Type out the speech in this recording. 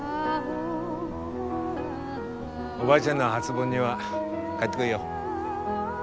おばあちゃんの初盆には帰ってこいよ。